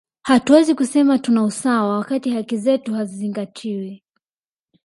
hatuwezi kusema tuna usawa wakati haki zetu hazizingztiwi